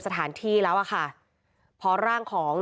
คือตอนที่แม่ไปโรงพักที่นั่งอยู่ที่สพ